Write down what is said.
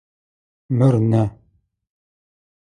Мыр нэ.